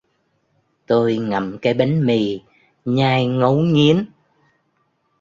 Tôi ngậm cái bánh mì nhai ngấu nghiến